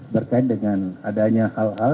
berkait dengan adanya hal hal